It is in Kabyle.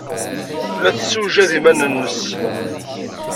La tessewjad iman-nnes.